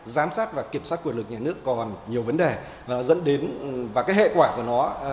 giám sát và kiểm soát quyền lực nhà nước còn nhiều vấn đề và nó dẫn đến và cái hệ quả của nó